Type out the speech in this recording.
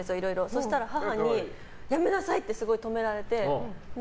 そしたら母にやめなさいってすごい止められて。